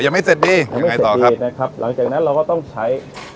ยังไม่เสร็จดียังไม่เสร็จนะครับหลังจากนั้นเราก็ต้องใช้